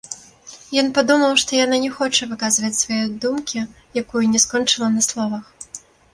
Ён падумаў, што яна не хоча выказваць свае думкі, якую не скончыла на словах.